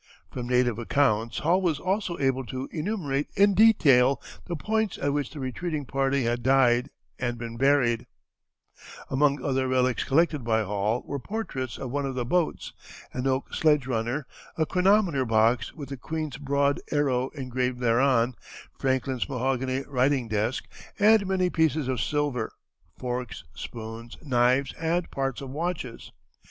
From native accounts Hall was also able to enumerate in detail the points at which the retreating party had died and been buried. [Illustration: In Winter Quarters.] Among other relics collected by Hall were portions of one of the boats, an oak sledge runner, a chronometer box with the Queen's broad arrow engraved thereon, Franklin's mahogany writing desk, and many pieces of silver, forks, spoons, knives, and parts of watches.